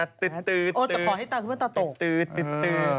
ตอ๊ะแต่ขอให้ตาขึ้นเพื่อตาตก